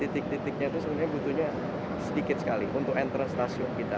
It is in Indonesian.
titik titiknya itu sebenarnya butuhnya sedikit sekali untuk enter stasiun kita